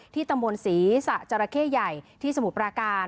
ที่ตำบวนศรีษระจราเคยใหญ่ที่สมุทรประกาศ